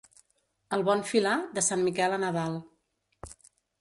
El bon filar, de Sant Miquel a Nadal.